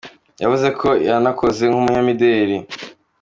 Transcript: Yavuze ko yanakoze nk’umunyamideli.